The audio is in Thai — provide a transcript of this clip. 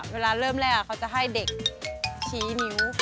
เวลาเริ่มแรกเขาจะให้เด็กชี้นิ้ว